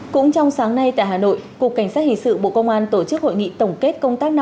cũng trong sáng nay tại hà nội cục cảnh sát hình sự bộ công an tổ chức hội nghị tổng kết công tác năm hai nghìn hai mươi